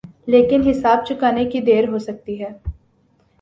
لیکن حساب چکانے کی دیر ہو سکتی ہے۔